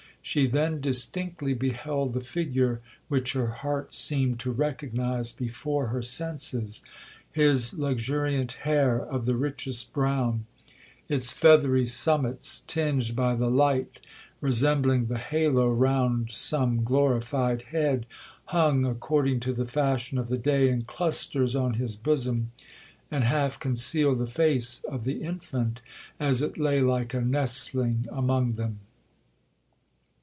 She then distinctly beheld the figure which her heart seemed to recognize before her senses. His luxuriant hair, of the richest brown, (its feathery summits tinged by the light resembling the halo round some glorified head), hung, according to the fashion of the day, in clusters on his bosom, and half concealed the face of the infant, as it lay like a nestling among them.